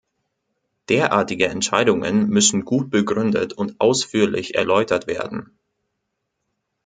Derartige Entscheidungen müssen gut begründet und ausführlich erläutert werden.